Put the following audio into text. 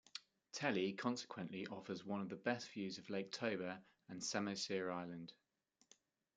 Tele consequently offers one of the best views of Lake Toba and Samosir Island.